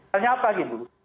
tanya apa lagi dulu